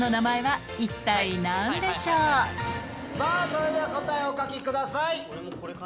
それでは答えをお書きください。